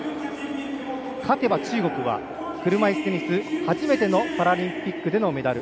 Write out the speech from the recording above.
勝てば中国は車いすテニス初めてのパラリンピックでのメダル。